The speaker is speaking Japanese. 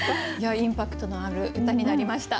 インパクトのある歌になりました。